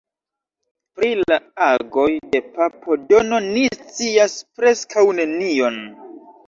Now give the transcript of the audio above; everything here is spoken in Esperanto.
Pri la agoj de papo Dono ni scias preskaŭ nenion.